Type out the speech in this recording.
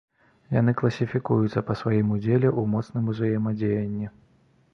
Яны класіфікуюцца па сваім удзеле ў моцным узаемадзеянні.